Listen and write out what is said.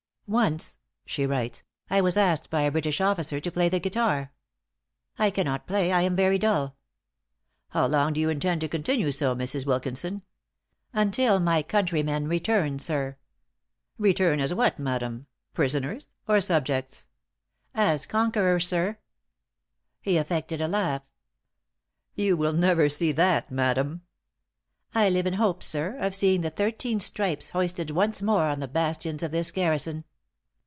"Once," she writes, "I was asked by a British officer to play the guitar. "'I cannot play; I am very dull.' "'How long do you intend to continue so, Mrs. Wilkinson?' "'Until my countrymen return, sir!' "'Return as what, madam? prisoners or subjects?' "'As conquerors, sir!' "He affected a laugh. 'You will never see that, madam!' "'I live in hopes, sir, of seeing the thirteen stripes hoisted once more on the bastions of this garrison.'